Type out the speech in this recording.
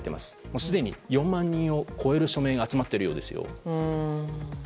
すでに４万人を超える署名が集まっているようですよ。